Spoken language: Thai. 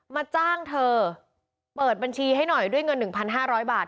มาจ้างเธอเปิดบัญชีให้หน่อยด้วยเงิน๑๕๐๐บาท